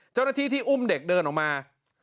เจ้าหน้าที่ที่อุ้มเด็กเดินออกมา